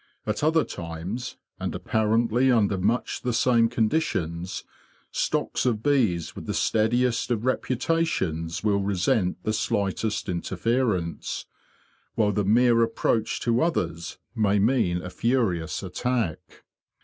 At other times, and apparently under much the same conditions, stocks of bees with the steadiest of reputations will resent the slightest interference, while the mere approach to others may mean a furious attack.